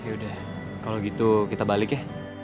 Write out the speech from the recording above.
yaudah kalau gitu kita balik ya